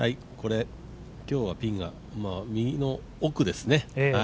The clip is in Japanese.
今日はピンが右の奥ですね。